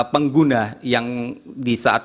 pengguna yang di saat